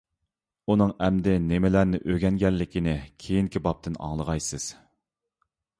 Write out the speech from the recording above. ئۇنىڭ ئەمدى نېمىلەرنى ئۆگەنگەنلىكىنى كېيىنكى بابتىن ئاڭلىغايسىز.